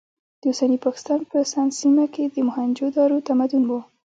د اوسني پاکستان په سند سیمه کې د موهنجو دارو تمدن و.